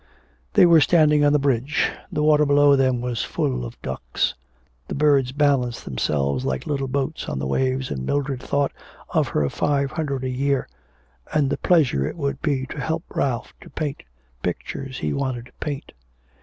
They were standing on the bridge. The water below them was full of ducks. The birds balanced themselves like little boats on the waves, and Mildred thought of her five hundred a year and the pleasure it would be to help Ralph to paint the pictures he wanted to paint.